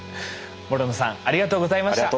諸野さんありがとうございました。